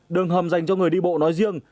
đường hầm dành cho người đi bộ nói riêng